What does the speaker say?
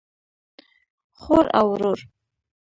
خور او ورور